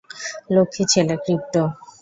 লক্ষ্মী ছেলে, ক্রিপ্টো।